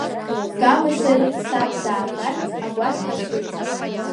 Камеи сареи саб даагарц агәашә ҳанҭыҵит.